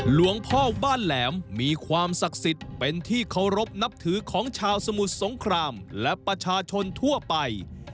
หลวงพ่อบ้านแหลมมีความศักดิ์สิทธิ์เป็นที่เคารพนับถือของชาวสมุทรสงครามและประชาชนทั่วไป